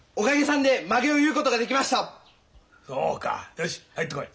よし入ってこい。